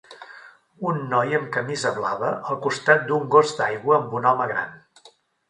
Un noi amb camisa blava al costat d'un cos d'aigua amb un home gran.